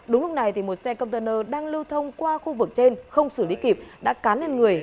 đúng lúc này một xe container đang lưu thông qua khu vực trên không xử lý kịp đã cán lên người